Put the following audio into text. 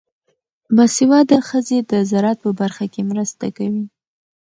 باسواده ښځې د زراعت په برخه کې مرسته کوي.